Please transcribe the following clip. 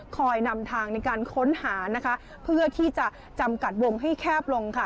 นำทางในการค้นหานะคะเพื่อที่จะจำกัดวงให้แคบลงค่ะ